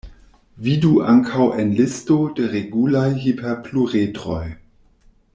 Vidu ankaŭ en listo de regulaj hiperpluredroj.